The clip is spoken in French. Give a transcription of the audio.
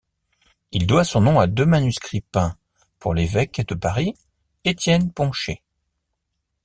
Il doit son nom à deux manuscrits peint pour l'évêque de Paris Étienne Poncher.